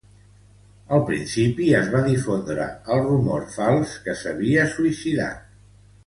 Al principi es va difondre el rumor fals que s'havia suïcidat.